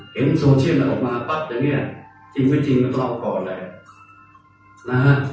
เห็นโซเชียนออกมาปั๊บอย่างเงี้ยจริงไม่จริงก็ต้องเอาออกก่อนเลยนะฮะ